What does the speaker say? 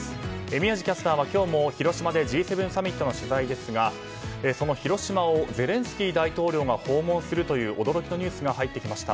宮司キャスターは今日も広島でＧ７サミットの取材ですがその広島をゼレンスキー大統領が訪問するという驚きのニュースが入ってきました。